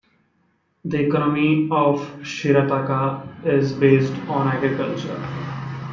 The economy of Shirataka is based on agriculture.